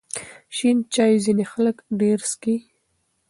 شین چای ځینې خلک ډېر څښي.